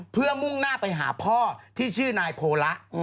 เพื่อมุ่งหน้าไปหาพ่อที่ชื่อนายโพละ